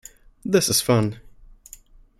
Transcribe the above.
This is fun!